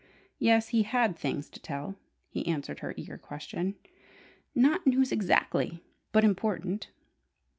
Yes, he had things to tell, he answered her eager question. "Not news exactly, but important."